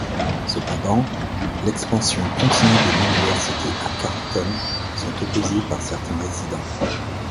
Cependant, l'expansion continue de l'université à Carlton sont opposés par certains résidents.